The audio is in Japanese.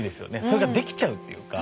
それができちゃうっていうか。